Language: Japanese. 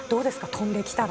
飛んできたら。